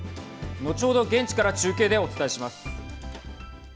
後ほど現地から中継でお伝えします。